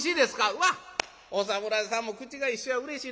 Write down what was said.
うわっお侍さんも口が一緒やうれしいな。